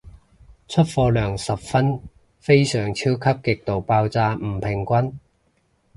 出貨量十分非常超級極度爆炸唔平均